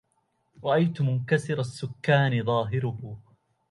رأيت منكسر السكان ظاهره